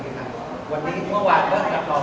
ต้องเขียนแค่ง่าย